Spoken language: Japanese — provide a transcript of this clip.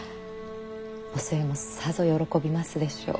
お寿恵もさぞ喜びますでしょう。